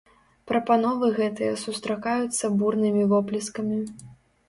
Прапановы гэтыя сустракаюцца бурнымі воплескамі.